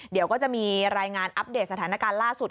เดี๋ยวก็จะมีรายงานอัปเดตสถานการณ์ล่าสุด